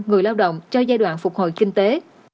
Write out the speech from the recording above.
người lao động cho giai đoạn phục hồi kinh tế